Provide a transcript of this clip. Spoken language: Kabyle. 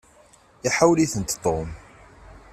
Iḥawel-itent Tom.